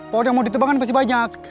pohon yang mau ditebangkan pasti banyak